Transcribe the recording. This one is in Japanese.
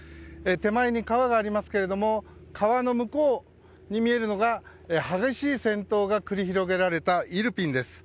手前に川がありますけども川の向こうに見えるのが激しい戦闘が繰り広げられたイルピンです。